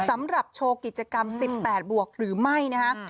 สำหรับโชว์กิจกรรม๑๘บวกหรือไม่นะฮะ